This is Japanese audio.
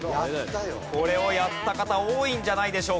これをやった方多いんじゃないでしょうか？